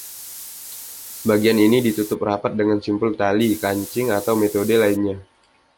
Bagian ini ditutup rapat dengan simpul tali, kancing, atau metode lainya.